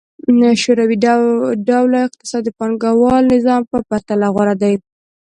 شوروي ډوله اقتصاد د پانګوال نظام په پرتله غوره دی.